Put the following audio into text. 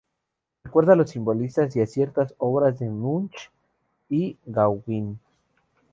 Recuerda a los simbolistas y a ciertas obras de Munch y Gauguin.